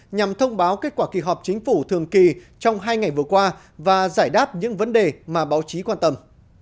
nhằm thông báo kết quả kỳ họp chính phủ thường kỳ trong hai ngày vừa qua và giải đáp những vấn đề mà báo chí quan tâm